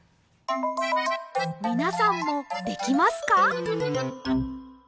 みなさんもできますか？